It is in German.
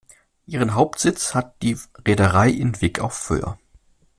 Ihren Hauptsitz hat die Reederei in Wyk auf Föhr.